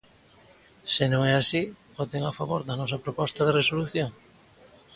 Se non é así, voten a favor da nosa proposta de resolución.